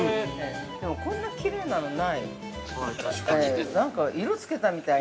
でも、こんなきれいなのない。